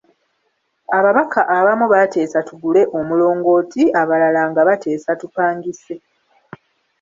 Ababaka abamu baateesa tugule omulongooti abalala nga bateesa tupangise.